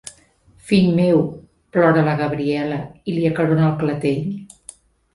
Fill meu! –plora la Gabriela, i li acarona el clatell.